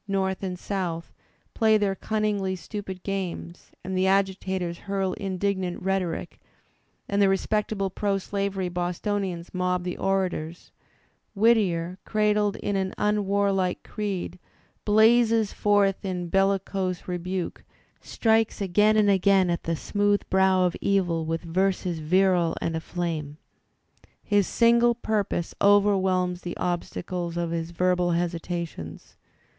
North and South, play their cunningly stupid games, and the agitators hurl indignant rhetoric, and the respectable proslavery Bostonians mob the orators, Whittier, cradled in an unwarlike creed, blazses forth in bellicose rebuke, strikes again and again at the smooth brow of evil with verses virile and aflame. His single pur pose overwhelms the obstacles of his verbal hesitations.